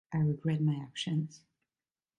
I regret my actions.